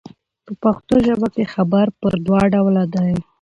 په پښتو ژبه کښي خبر پر دوه ډوله دئ.